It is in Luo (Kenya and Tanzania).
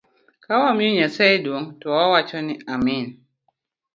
Kawamiyo Nyasaye duong to wawacho ni amin.